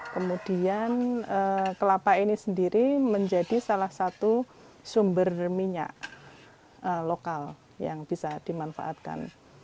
kemudian kelapa ini sendiri menjadi salah satu sumber minyak lokal yang bisa dimanfaatkan